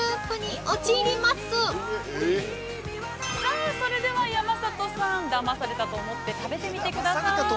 ◆さあ、それでは山里さん、だまされたと思って、食べてみてください。